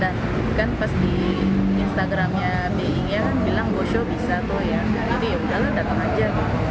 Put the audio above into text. dan kan pas di instagramnya bi nya kan bilang go show bisa tuh ya jadi yaudahlah datang aja